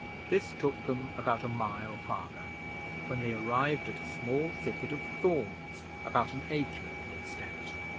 This took them about a mile farther, when they arrived at a small thicket of thorns about an acre in extent.